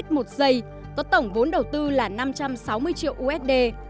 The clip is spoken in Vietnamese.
tuyến cắp aag có tổng vốn đầu tư là năm trăm sáu mươi triệu usd